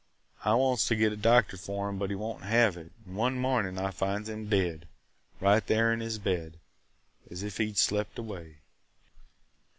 I wants to get a doctor for him but he won't have it, and one mornin' I finds him dead, right there in his bed, as if he 'd slept away.